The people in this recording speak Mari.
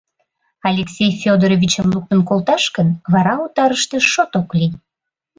Алексей Федоровичым луктын колташ гын, вара отарыште шот ок лий...